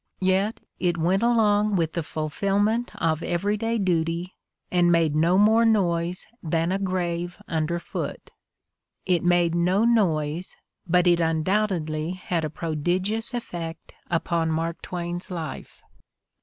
"Yet it went along with the fulfillment of every day duty and made no more noise than a grave under foot." It made no noise, but it undoubtedly had a prodigious effect upon Mark Twain's life.